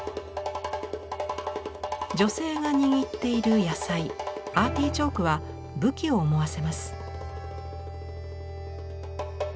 女性が握っている野菜アーティチョークは武器を思わせます。